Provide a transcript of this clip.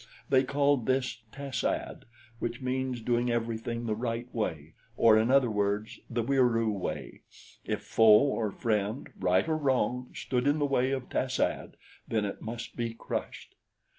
They called this tas ad, which means doing everything the right way, or, in other words, the Wieroo way. If foe or friend, right or wrong, stood in the way of tas ad, then it must be crushed.